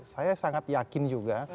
saya sangat yakin juga